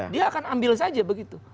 dia akan ambil saja begitu